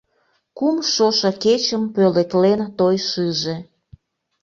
Кум шошо кечым пӧлеклен той шыже.